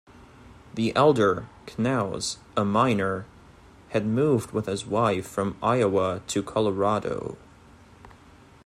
The elder Knous, a miner, had moved with his wife from Iowa to Colorado.